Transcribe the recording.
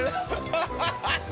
ハハハハ！